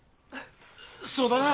そうだな。